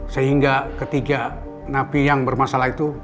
sehingga ketiga napi yang bermasalah itu